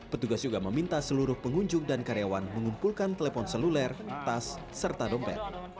petugas juga meminta seluruh pengunjung dan karyawan mengumpulkan telepon seluler tas serta dompet